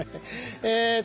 えっと